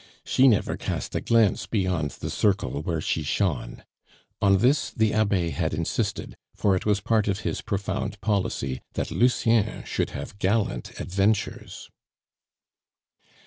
She never cast a glance beyond the circle where she shone. On this the Abbe had insisted, for it was part of his profound policy that Lucien should have gallant adventures.